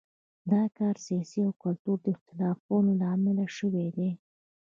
دا کار د سیاسي او کلتوري اختلافونو له امله شوی دی.